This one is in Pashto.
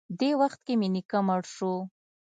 دې وخت کښې مې نيکه مړ سو.